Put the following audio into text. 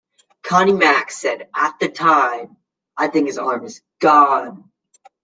Connnie Mack said at the time, I think his arm is gone.